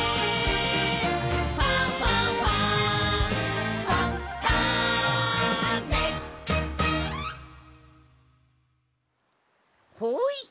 「ファンファンファン」ほい！